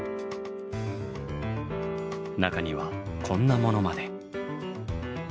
中にはこんなものまで。